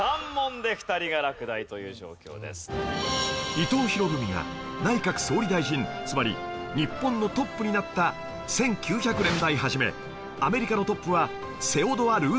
伊藤博文が内閣総理大臣つまり日本のトップになった１９００年代初めアメリカのトップはセオドア・ルーズベルトでした